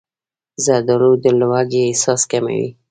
زردالو د لوږې احساس کموي.